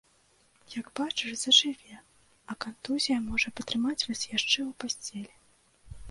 Як бачыш зажыве, а кантузія можа патрымаць вас яшчэ ў пасцелі.